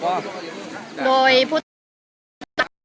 มีแต่โดนล้าลาน